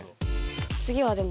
次はでも。